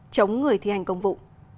chống người thi hành công vụ